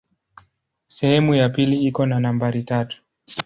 Sehemu ya pili iko na nambari tatu.